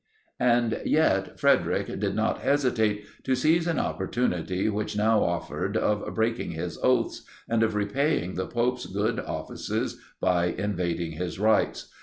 And yet Frederic did not hesitate to seize an opportunity which now offered of breaking his oaths, and of repaying the pope's good offices by invading his rights.